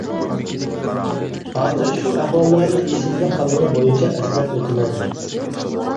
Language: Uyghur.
ھازىر شۇ ئەھۋاللارنى ئېسىمدە قالغىنى بويىچە ئەسلەپ ئۆتمەن.